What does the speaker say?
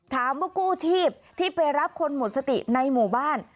กู้ชีพที่ไปรับคนหมดสติในหมู่บ้าน